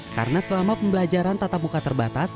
karena selama pembelajaran tatap muka terbatas